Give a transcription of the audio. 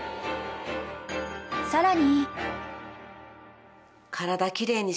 ［さらに］